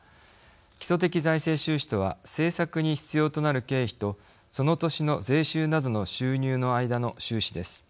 基礎的財政収支とは政策に必要となる経費とその年の税収などの収入の間の収支です。